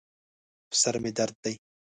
په سر مې درد دی